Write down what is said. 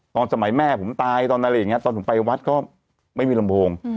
ตอนสมัยแม่ผมตายตอนอะไรอย่างนี้ตอนผมไปวัดก็ไม่มีลำโพง